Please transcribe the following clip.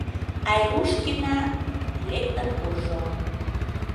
Айрушкина....лектын куржо.